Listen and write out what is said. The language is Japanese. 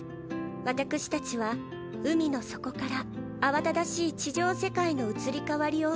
ワタクシたちは海の底から慌ただしい地上世界の移り変わりを見てきました。